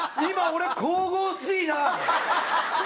「俺神々しい」。